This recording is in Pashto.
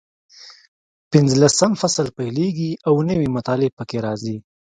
پینځلسم فصل پیلېږي او نوي مطالب پکې راځي.